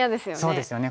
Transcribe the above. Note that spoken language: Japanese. そうですよね。